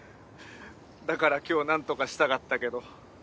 だから今日何とかしたかったけど。